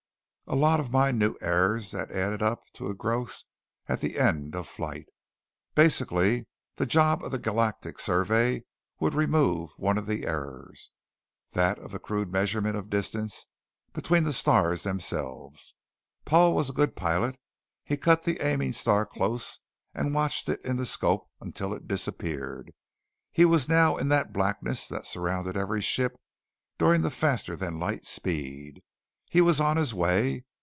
A lot of minute errors that added up to a gross at the end of flight. Basically, the job of the galactic survey would remove one of the errors: That of the crude measurement of distance between the stars themselves. Paul was a good pilot. He cut the aiming star close and watched it in the 'scope until it disappeared. He was now in that blackness that surrounded every ship during the faster than light speed. He was on his way.